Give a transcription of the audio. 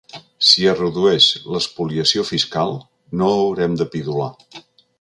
Si es redueix l’espoliació fiscal, no haurem de pidolar.